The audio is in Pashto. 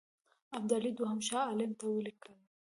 ابدالي دوهم شاه عالم ته ولیکل.